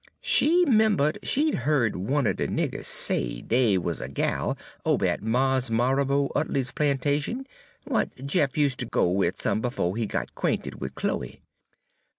She 'membered she 'd heared one er de niggers say dey wuz a gal ober at Mars' Marrabo Utley's plantation w'at Jeff use' ter go wid some befo' he got 'quainted wid Chloe.